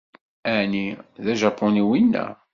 Ɛni d ajapuni wina?